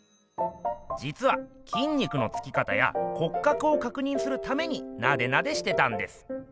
じつはきん肉のつき方や骨格をかくにんするためになでなでしてたんです。